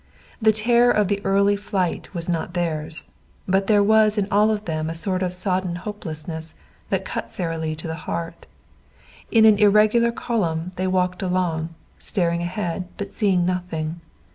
The terror of the early flight was not theirs, but there was in all of them a sort of sodden hopelessness that cut Sara Lee to the heart. In an irregular column they walked along, staring ahead but seeing nothing.